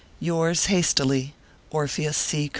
Yours, hastily, ORPHEUS C.